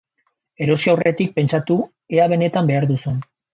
Erosi aurretik pentsatu ea benetan behar duzun.